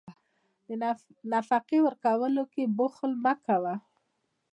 د نفقې ورکولو کې بخل مه کوه.